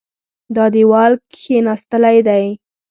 دا دېوال کېناستلی دی.